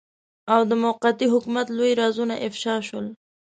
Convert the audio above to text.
او د موقتي حکومت لوی رازونه افشاء شول.